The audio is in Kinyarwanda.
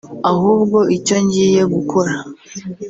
Ahubwo icyo ngiye gukora